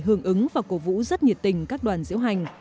hưởng ứng và cổ vũ rất nhiệt tình các đoàn diễu hành